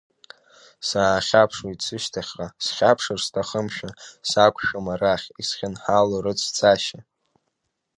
Саахьаԥшуеит сышьҭахьҟа, схьаԥшыр сҭахымшәа, сақәшәом арахь исхьынҳало рыцәцашьа.